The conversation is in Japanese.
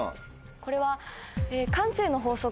これは。